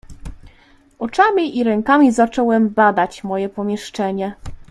"Oczami i rękami zacząłem badać moje pomieszczenie."